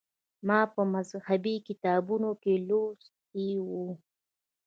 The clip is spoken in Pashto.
ما په مذهبي کتابونو کې لوستي و.